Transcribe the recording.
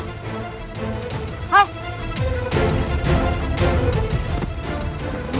sudahlah pak mai